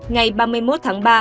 ngày ba mươi một tháng ba